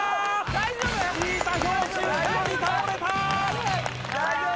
大丈夫？